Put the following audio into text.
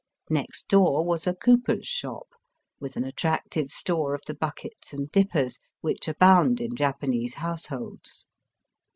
Next door was a cooper's shop, with an attractive store of the buckets and dippers, which abound in Japanese households.